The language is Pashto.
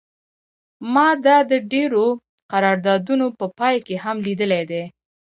ما دا د ډیرو قراردادونو په پای کې هم لیدلی دی